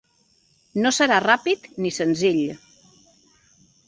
No serà ràpid ni senzill.